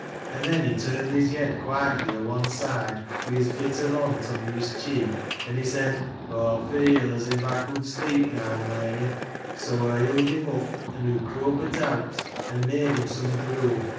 An' then he turn'd his yed quietly o' one side, wi' his bit o' th' hont under his cheek, an' he said, 'Aw feel as iv aw could sleep neaw, Mary !' So hoo ilM him up ; an' hoo crope't eawt, an' made him some gruel.